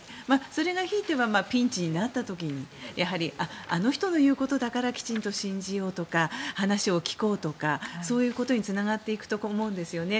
それがひいてはピンチになった時にあの人の言うことだからきちんと信じようとか話を聞こうとかそういうことにつながっていくと思うんですよね。